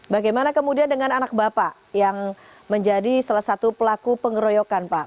bagaimana kemudian dengan anak bapak yang menjadi salah satu pelaku pengeroyokan pak